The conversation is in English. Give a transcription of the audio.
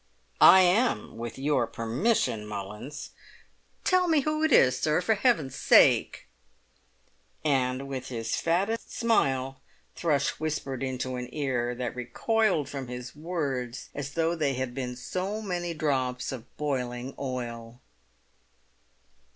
"I am—with your permission, Mullins." "Tell me who it is, sir, for Heaven's sake!" And with his fattest smile Thrush whispered into an ear that recoiled from his words as though they had been so many drops of boiling oil.